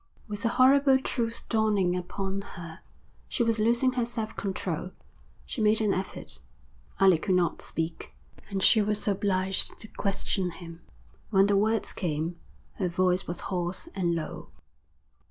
With the horrible truth dawning upon her, she was losing her self control. She made an effort. Alec would not speak, and she was obliged to question him. When the words came, her voice was hoarse and low.